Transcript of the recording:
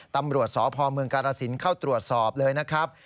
ตำรวจสพเมืองกาลสินเข้าตรวจสอบเลยนะครับ